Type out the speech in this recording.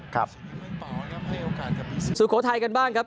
ครับสุโขทัยกันบ้างครับ